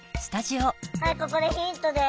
はいここでヒントです。